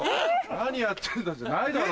何やってんのじゃないだろ。